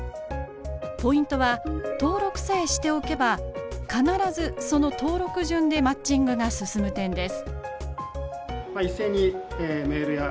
ポイントは登録さえしておけば必ずその登録順でマッチングが進む点です。